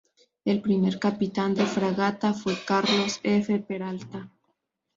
El primer capitán de fragata fue Carlos F. Peralta.